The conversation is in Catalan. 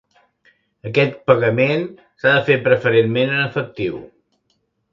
Aquest pagament s'ha de fer preferentment en efectiu.